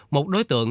một đối tượng